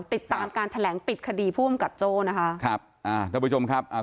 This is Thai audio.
ติดตามการแถลงปิดคดีผู้อำกับโจ้นะคะครับอ่าท่านผู้ชมครับอ่า